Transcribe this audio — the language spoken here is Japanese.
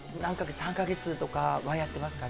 ３か月とかはやってますかね。